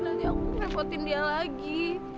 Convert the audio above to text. nanti aku repotin dia lagi